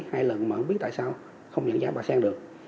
hai lần mà không biết tại sao không giảng giải bà sen được